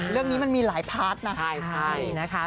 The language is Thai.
เรื่องนี้มันมีหลายพาร์ทนะ